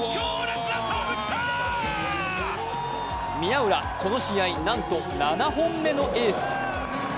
宮浦、この試合なんと７本目のエース。